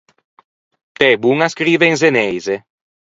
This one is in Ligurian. T’ê bon à scrive in zeneise?